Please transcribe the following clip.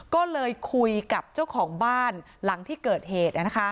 ก็เลยคุยกับเจ้าของบ้านหลังที่เกิดเหตุ